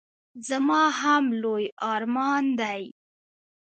زما هم لوی ارمان دی.